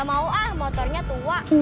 gamau ah motornya tua